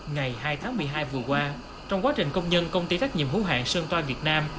ngày hai tháng một mươi hai vừa qua trong quá trình công nhân công ty trách nhiệm hữu hạng sơn toa việt nam